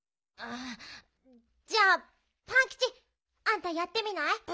あじゃあパンキチあんたやってみない？